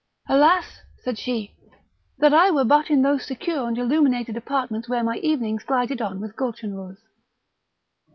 "Alas!" said she, "that I were but in those secure and illuminated apartments where my evenings glided on with Gulchenrouz!